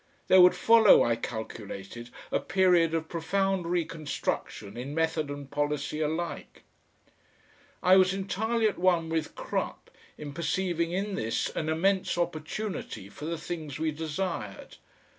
There would follow, I calculated, a period of profound reconstruction in method and policy alike. I was entirely at one with Crupp in perceiving in this an immense opportunity for the things we desired.